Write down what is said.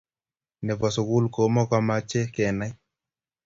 nebo sukul komokomache kenai